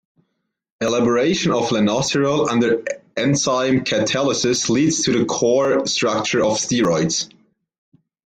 Elaboration of lanosterol under enzyme catalysis leads to the core structure of steroids.